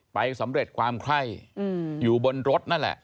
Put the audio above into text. สำเร็จความไข้อยู่บนรถนั่นแหละ